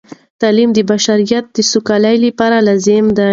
تعلیم د بشریت د سوکالۍ لپاره لازم دی.